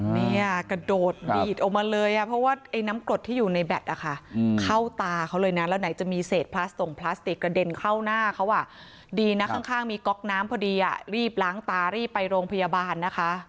เนี่ยกระโดดดีดออกมาเลยเพราะว่าไอ้น้ำกรดที่อยู่ในแบตนะคะเข้าตาเขาเลยนะแล้วไหนจะมีเศษพลาสส่งพลาสติกกระเด็นเข้าหน้าเขาอ่ะดีนะข้างมีก๊อกน้ำพอดีรีบล้างตารีบไปโรงพยาบาลนะคะ